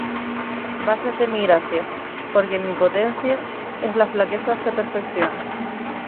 Bástate mi gracia; porque mi potencia en la flaqueza se perfecciona.